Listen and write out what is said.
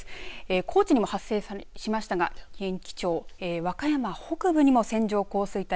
高知にも発生しましたが和歌山北部にも線状降水帯